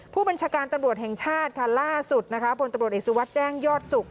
ผู้บัญชาการตำรวจแห่งชาติค่ะล่าสุดนะคะพลตำรวจเอกสุวัสดิ์แจ้งยอดสุข